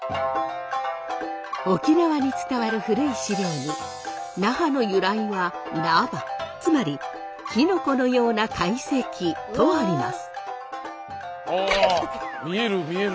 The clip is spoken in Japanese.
沖縄に伝わる古い資料に那覇の由来はナバつまりきのこのような怪石とあります。